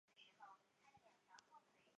属湖南省。